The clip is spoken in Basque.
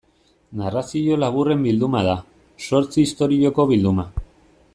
Narrazio laburren bilduma da, zortzi istorioko bilduma.